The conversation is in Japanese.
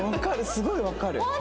すごいわかる。